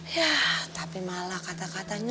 ya tapi malah kata katanya